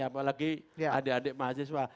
apalagi adik adik mahasiswa